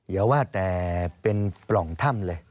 อย่าว่าแต่เป็นปล่องถ้ำเลย